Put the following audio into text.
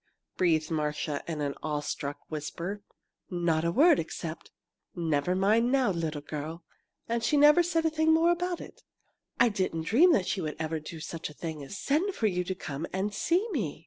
breathed Marcia, in an awe struck whisper. "Not a word except, 'Never mind now, little girl!' And she never said a thing more about it. I didn't dream that she'd ever do such a thing as send for you to come and see me!"